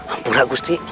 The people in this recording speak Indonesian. ampun ratu gusti